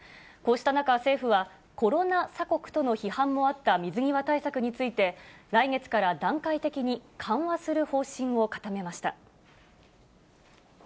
こうした中、政府はコロナ鎖国との批判もあった水際対策について、来月から段階的に緩和する方針を固めました。